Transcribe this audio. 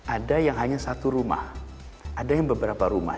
ada yang hanya satu rumah ada yang beberapa rumah